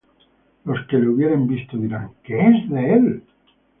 Los que le hubieren visto, dirán: ¿Qué es de él?